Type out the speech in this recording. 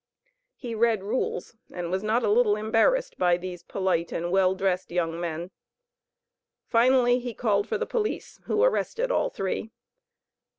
He read rules, and was not a little embarrassed by these polite and well dressed young men. Finally he called for the police, who arrested all three.